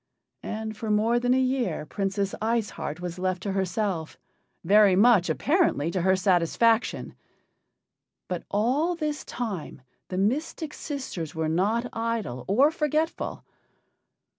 And for more than a year Princess Ice Heart was left to herself very much, apparently, to her satisfaction. But all this time the mystic sisters were not idle or forgetful.